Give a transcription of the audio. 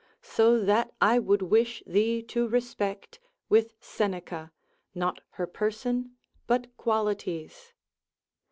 So that I would wish thee to respect, with Seneca, not her person but qualities.